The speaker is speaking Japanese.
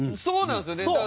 そうなんですよね。